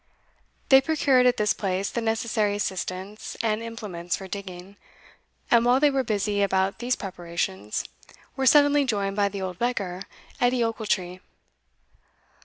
They procured at this place the necessary assistance and implements for digging, and, while they were busy about these preparations, were suddenly joined by the old beggar, Edie Ochiltree.